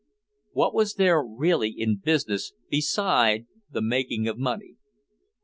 What was there really in business beside the making of money?